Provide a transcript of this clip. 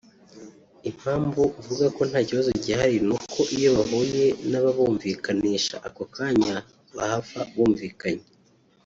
Impamvu mvuga ko nta kibazo gihari ni uko iyo bahuye n’ababumvikanisha ako kanya bahava bumvikanye